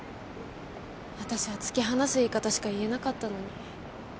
私は突き放す言い方しか言えなかったのに。